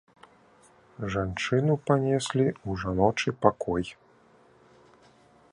Жанчыну панеслі ў жаночы пакой.